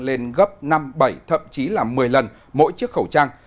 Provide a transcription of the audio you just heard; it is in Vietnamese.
lên gấp năm bảy thậm chí là một mươi lần mỗi chiếc khẩu trang